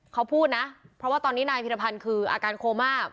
เขาพูดนะเพราะว่าตอนนี้นายพิรพันธ์คืออาการโคม่า